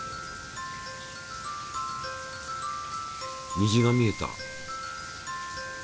虹が見えた。